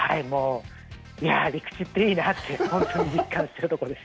いやぁ、陸地っていいなって、本当に感じてるところです。